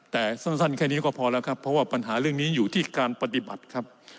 แต่สั้นแค่นี้ก็พอแล้วครับเพราะว่าปัญหาเรื่องนี้อยู่ที่การปฏิบัติครับ